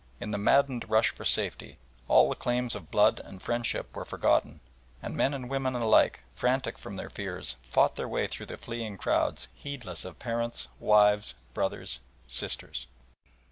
In the maddened rush for safety, all the claims of blood and friendship were forgotten, and men and women alike, frantic from their fears, fought their way through the fleeing crowds heedless of parents, wives, brothers, sisters.